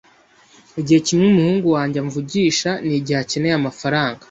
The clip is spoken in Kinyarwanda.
Igihe kimwe umuhungu wanjye amvugisha ni igihe akeneye amafaranga.